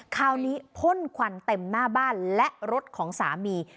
คราวนี้พ่นควันเต็มหน้าบ้านและรถของสามี